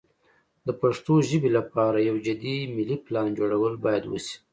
د پښتو ژبې لپاره یو جدي ملي پلان جوړول باید وشي.